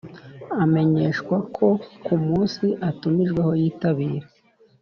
Amenyeshwa ko ku munsi atumijweho yitabira.